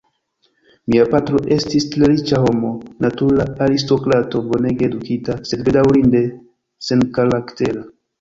Mia patro estis tre riĉa homo, natura aristokrato, bonege edukita, sed bedaŭrinde senkaraktera.